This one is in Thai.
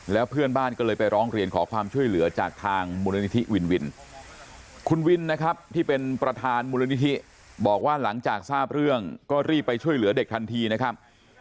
แล้วเพื่อนบ้านก็เลยไปร้องเรียนขอความช่วยเหลือจากทางมูลนิธิวินวินคุณวินนะครับที่เป็นประธานมูลนิธิบอกว่าหลังจากทราบเรื่องก็รีบไปช่วยเหลือเด็กทันทีนะครับ